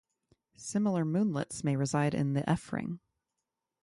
Similar moonlets may reside in the F Ring.